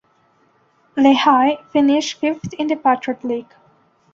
Lehigh finished fifth in the Patriot League.